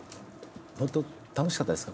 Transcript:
本当楽しかったですか？